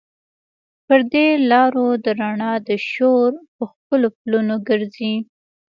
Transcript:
پر دې لارو د رڼا د شور، په ښکلو پلونو ګرزي